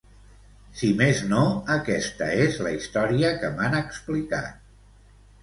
Si més no aquesta és la història que m'han explicat.